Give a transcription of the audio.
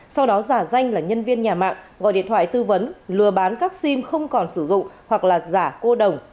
sau đó giả danh là nhân viên nhà mạng gọi điện thoại tư vấn lừa bán các sim không còn sử dụng hoặc là giả cô đồng